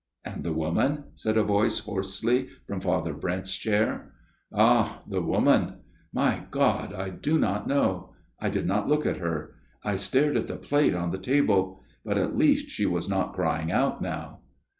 " And the woman ?" said a voice hoarsely from Father Brent's chair. FATHER MEURON'S TALE 47 " Ah ! the woman ! My God I I do not know. I did not look at her. I stared at the plate on the table ; but at least she was not crying out now.